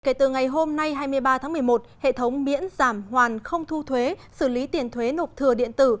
kể từ ngày hôm nay hai mươi ba tháng một mươi một hệ thống miễn giảm hoàn không thu thuế xử lý tiền thuế nộp thừa điện tử